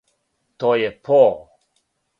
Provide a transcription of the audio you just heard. То је по?